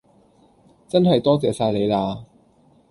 真系多謝晒你啦